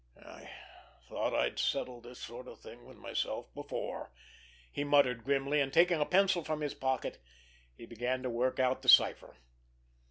"I thought I'd settled this sort of thing with myself before!" he muttered grimly, and taking a pencil from his pocket he began to work out the cipher.